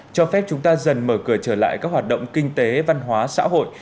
cho phép chúng ta dần mở cửa trở lại các hoạt động kinh tế văn hóa xã hội